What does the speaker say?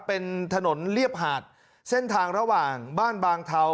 เป็นถนนเรียบหาดเส้นทางระหว่างบ้านบางเทา